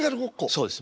そうです。